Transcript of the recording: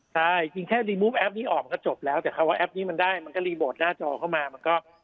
ใช่จริงแค่รีมูปแป๊บนี้ออกมันก็จบแล้วแต่คำว่าแอปนี้มันได้มันก็รีโมทหน้าจอเข้ามามันก็